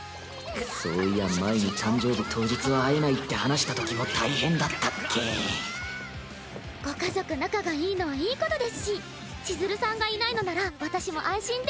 そういや前に誕生日当日は会えないって話したときもご家族仲がいいのはいいことですし千鶴さんがいないのなら私も安心です。